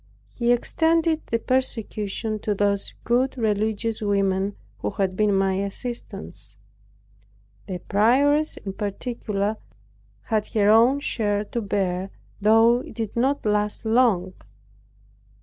He extended the persecution to those good religious women who had been my assistants. The prioress in particular had her own share to bear, though it did not last long.